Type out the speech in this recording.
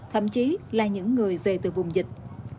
thậm chí là những người về từ vùng dịch